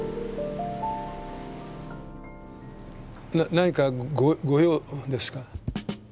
何かご用ですか？